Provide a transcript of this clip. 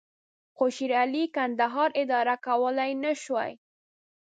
خو شېرعلي کندهار اداره کولای نه شوای.